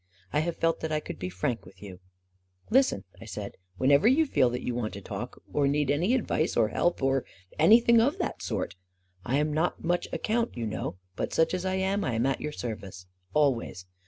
I have felt that I could be frank with you." 44 Listen," I said. 4< Whenever you feel that you want to talk, or need any advice or help — or any thing of that sort ... I'm not much account, you know, but such as I am, I'm at your service — al ways.